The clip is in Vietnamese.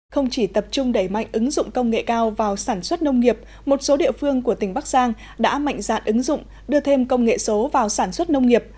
không chỉ tập trung đẩy mạnh ứng dụng công nghệ cao vào sản xuất nông nghiệp một số địa phương của tỉnh bắc giang đã mạnh dạn ứng dụng đưa thêm công nghệ số vào sản xuất nông nghiệp